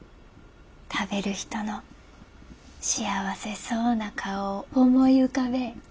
食べる人の幸せそうな顔を思い浮かべえ。